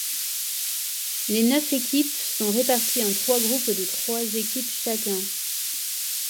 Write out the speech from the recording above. Les neuf équipes sont réparties en trois groupes de trois équipes chacun.